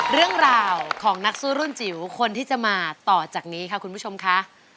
เรื่องราวของนักสู้รุ่นจิ๋วคนที่จะมาต่อจากนี้ค่ะคุณผู้ชมค่ะ